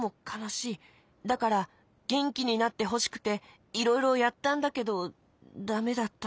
だからげんきになってほしくていろいろやったんだけどダメだった。